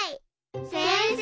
せんせい！